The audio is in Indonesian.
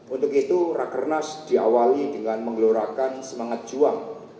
untuk itu rakernas diawali dengan menggelorakan semangat juang